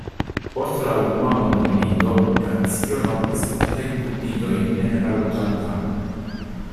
Post la unua mondmilito, Francio nombris multajn vunditojn en la loĝantaro.